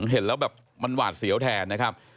เห็นแล้วแบบมันหวาดเสียวแทนนะครับ